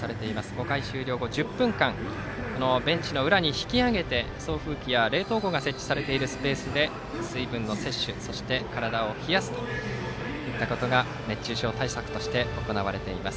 ５回終了後、１０分間ベンチの裏に引き揚げて送風機や冷凍庫が設置されているスペースで水分の摂取、そして体を冷やすということが熱中症対策として行われています。